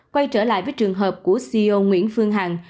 quay trở lại với trường hợp của ceo nguyễn phương hằng